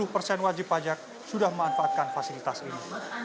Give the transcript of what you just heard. tujuh puluh persen wajib pajak sudah memanfaatkan fasilitas ini